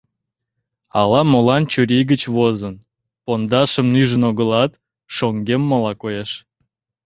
Ала-молан чурий гыч возын, пондашым нӱжын огылат, шоҥгеммыла коеш.